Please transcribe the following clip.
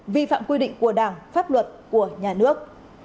vi phạm quy định của đảng pháp luật của nhà nước